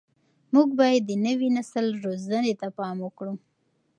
موږ باید د نوي نسل روزنې ته پام وکړو.